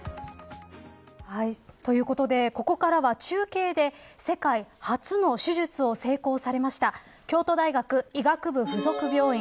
ということで、ここからは中継で、世界初の手術を成功されました京都大学医学部附属病院